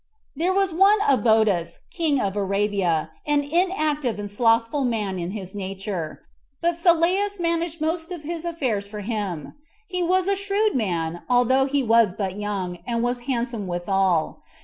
6. There was one Obodas, king of Arabia, an inactive and slothful man in his nature; but Sylleus managed most of his affairs for him. He was a shrewd man, although he was but young, and was handsome withal.